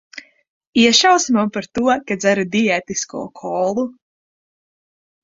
Iešausi man par to, ka dzeru diētisko kolu?